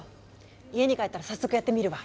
家に帰ったら早速やってみるわ！